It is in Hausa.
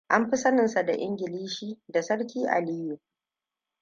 An fi saninsa da a Ingilishi da Sarki Aliyu.